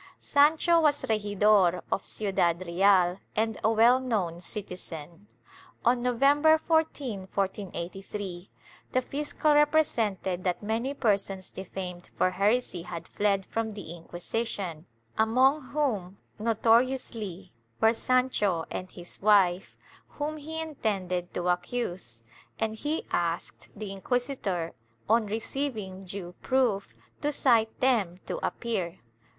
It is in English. Sancho was regidor of Ciudad Real and a well known citizen. On November 14, 1483, the fiscal repre sented that many persons defamed for heresy had fled from the Inquisition, among whom notoriously were Sancho and his wife, whom he intended to accuse, and he asked the inquisitor, on receiving due proof, to cite them to appear.